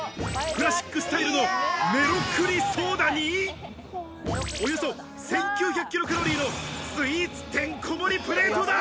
クラシックスタイルのメロクリソーダに、およそ１９００キロカロリーのスイーツてんこ盛りプレートだ！